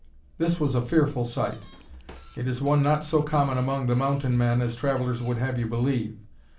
This was a fearful sight. It is one not so common among the mountain men as travellers would have you believe.